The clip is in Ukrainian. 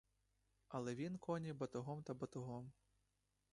Але він коні батогом та батогом.